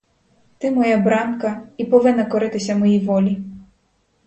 Ти моя бранка і повинна коритися моїй волі.